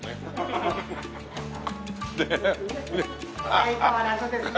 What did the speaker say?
相変わらずですね。